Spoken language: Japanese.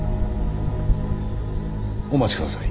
お待ちください。